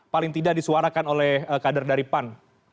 paling tidak disuarakan oleh kader dari pan